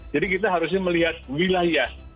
jadi kita harus melihat wilayah